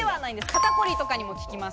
肩凝りとかにも効きます。